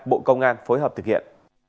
cảnh sát điều tra bộ công an phối hợp thực hiện